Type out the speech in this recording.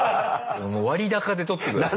もう割高で取って下さい。